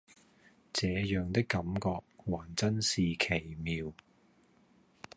這樣的感覺還真是奇妙